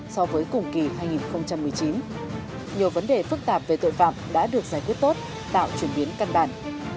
so với cùng kỳ hai nghìn một mươi chín nhiều vấn đề phức tạp về tội phạm đã được giải quyết tốt tạo chuyển biến căn bản